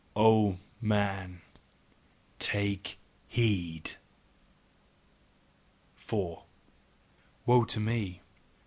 O MAN, TAKE HEED! 4. Woe to me!